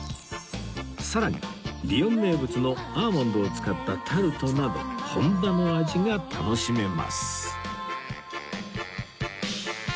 さらにリヨン名物のアーモンドを使ったタルトなど本場の味が楽しめます